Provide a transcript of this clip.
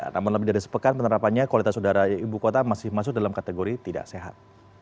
namun lebih dari sepekan penerapannya kualitas udara ibu kota masih masuk dalam kategori tidak sehat